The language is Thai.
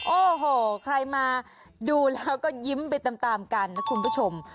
โอ้โหใครมาดูแล้วก็ยิ้มไปตามกันนะคุณผู้ชม